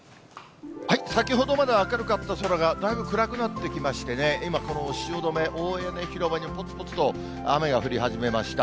先ほどまで明るかった空が、だいぶ暗くなってきましてね、今、この汐留・大屋根広場にぽつぽつと雨が降り始めました。